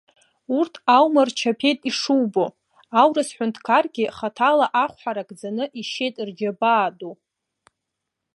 Урҭ аума рчаԥеит ишубо, аурыс ҳәынҭқаргьы хаҭала ахә ҳаракӡаны ишьеит рџьабаа ду.